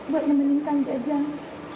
buat menenangkan dia jang